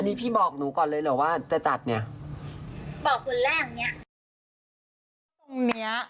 อ๋ออันนี้พี่บอกหนูก่อนเลยเหรอว่าจะจัดเนี่ยบอกคนแรกอย่างเงี้ย